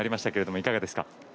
いかがですか？